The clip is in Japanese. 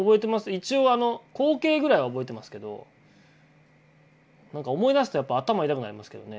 一応あの光景ぐらいは覚えてますけどなんか思い出すとやっぱ頭痛くなりますけどね。